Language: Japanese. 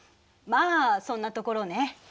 まあそんなところね。